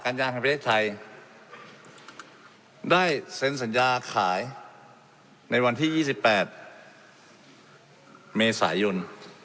ยาของประเทศไทยได้เซ็นสัญญาขายในวันที่๒๘เมษายน